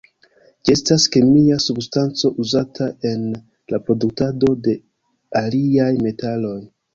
Ĝi estas kemia substanco uzata en la produktado de aliaj metaloj.